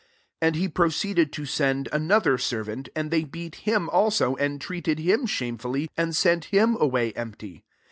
1 1 "And he proceeded to send another servant : and they beat him also, and treated him shame fully, and sent him away empty.